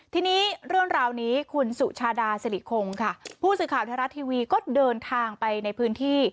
ทีนี้เรื่องราวนี้คุณสุชาดาสิริคงค่ะผู้สื่อข่าวไทยรัฐทีวีก็เดินทางไปในพื้นที่